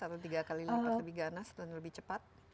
atau tiga kali lipat lebih ganas dan lebih cepat